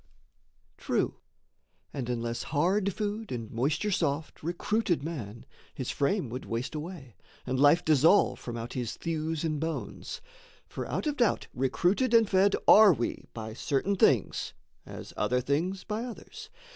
True and unless hard food and moisture soft Recruited man, his frame would waste away, And life dissolve from out his thews and bones; For out of doubt recruited and fed are we By certain things, as other things by others.